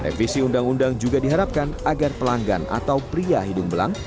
revisi undang undang juga diharapkan agar pelanggan atau pria hidung belang